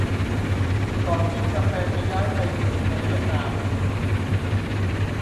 ก่อนที่กาแฟจะย้ายไปปลูกในเวียดนาม